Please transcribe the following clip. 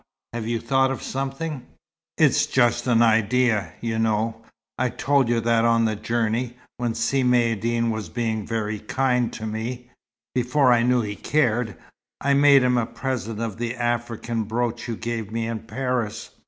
Have you thought of something?" "It's just an idea. You know, I told you that on the journey, when Si Maïeddine was being very kind to me before I knew he cared I made him a present of the African brooch you gave me in Paris.